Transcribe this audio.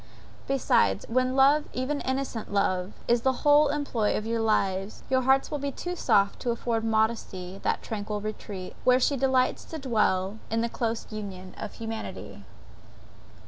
Besides, when love, even innocent love, is the whole employ of your lives, your hearts will be too soft to afford modesty that tranquil retreat, where she delights to dwell, in close union with humanity.